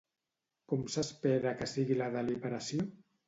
Com s'espera que sigui la deliberació?